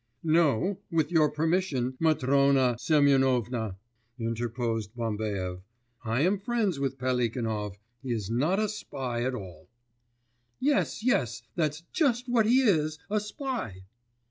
'No, with your permission, Matrona Semyonovna,' interposed Bambaev, 'I am friends with Pelikanov, he is not a spy at all.' 'Yes, yes, that's just what he is, a spy!